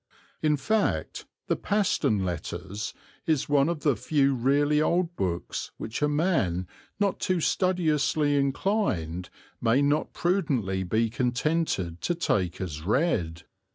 In fact, the Paston Letters is one of the few really old books which a man not too studiously inclined may not prudently be contented to take as read.